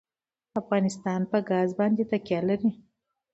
افغانستان په ګاز باندې تکیه لري.